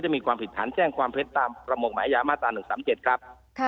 มีความผิดฐานแจ้งความเท็จตามประมงหมายยามาตรา๑๓๗ครับ